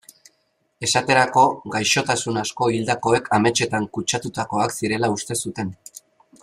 Esaterako, gaixotasun asko hildakoek ametsetan kutsatutakoak zirela uste zuten.